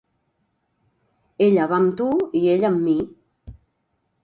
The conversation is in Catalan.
Ella va amb tu i ell amb mi.